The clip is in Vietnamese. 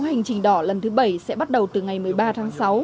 hành trình đỏ lần thứ bảy sẽ bắt đầu từ ngày một mươi ba tháng sáu